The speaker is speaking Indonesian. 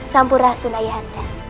sampurah sunayah anda